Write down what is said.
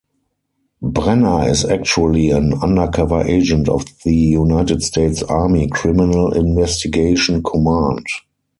Brenner is actually an undercover agent of the United States Army Criminal Investigation Command.